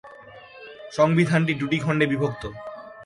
সংবিধানটি দুটি খণ্ডে বিভক্ত।